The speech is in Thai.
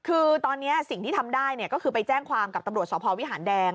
คือตอนนี้สิ่งที่ทำได้ก็คือไปแจ้งความกับตำรวจสพวิหารแดง